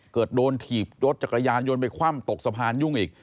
เกิดโดนถีบรถจักรยานยนต์ไปคว่ำตกสะพานยุ่งอีก